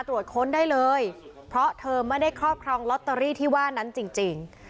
ตรวจค้นได้เลยเพราะเธอไม่ได้ครอบครองลอตเตอรี่ที่ว่านั้นจริง